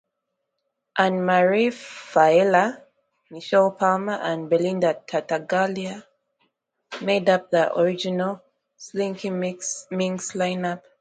Annemare Failla, Michelle Palmer and Belinda Tartaglia made up the original Slinkee Minx lineup.